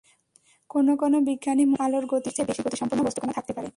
কোনো কোনো বিজ্ঞানী মনে করেন, আলোর গতির চেয়ে বেশি গতিসম্পন্ন বস্তুকণা থাকতে পারে।